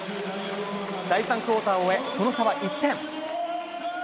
第３クオーターを終え、その差は１点。